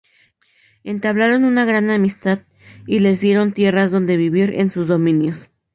Entablaron una gran amistad y les dieron tierras donde vivir en sus dominios.